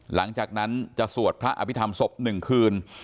หลังจากนั้นจะสวดพระอภิษฐรรมศพ๑คืน